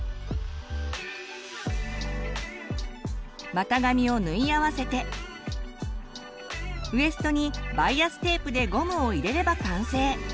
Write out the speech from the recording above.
股上を縫い合わせてウエストにバイアステープでゴムを入れれば完成。